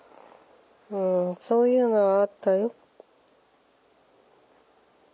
うんそういうのはあったよ。